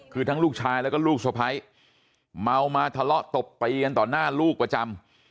คือทั้งลูกชายแล้วก็ลูกสะพ้ายเมามาทะเลาะตบตีกันต่อหน้าลูกประจำ